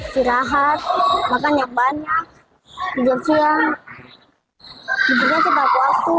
berlatih makan banyak tidur siang tidurnya juga waktu